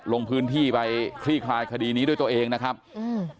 ลงพื้นที่ไปคลี่คลายคดีนี้ด้วยตัวเองนะครับอืม